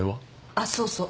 あっそうそう。